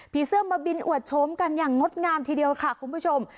เสื้อมาบินอวดโฉมกันอย่างงดงามทีเดียวค่ะคุณผู้ชม